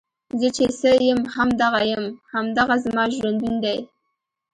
زۀ چې څۀ يم هم دغه يم، هـــم دغه زمـا ژونـد ون دی